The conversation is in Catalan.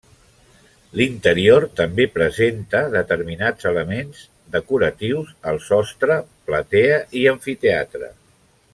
L'interior també presenta determinats elements decoratius al sostre, platea i amfiteatre.